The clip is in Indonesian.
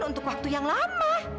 untuk waktu yang lama